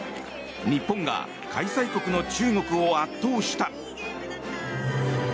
日本が開催国の中国を圧倒した。